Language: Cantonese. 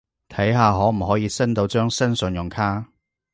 睇下可唔可以申到張新信用卡